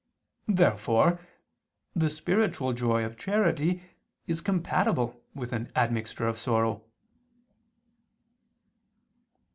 Therefore the spiritual joy of charity is compatible with an admixture of sorrow.